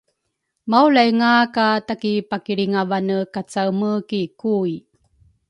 maulainga ka takipakilringavane kacaemane ki Kui.